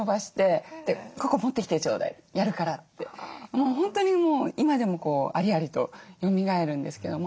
もう本当に今でもありありとよみがえるんですけども。